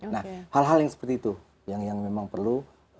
nah hal hal yang seperti itu yang memang perlu